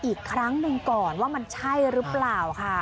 อีกครั้งหนึ่งก่อนว่ามันใช่หรือเปล่าค่ะ